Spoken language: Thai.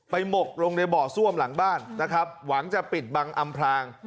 หมกลงในบ่อซ่วมหลังบ้านนะครับหวังจะปิดบังอำพลาง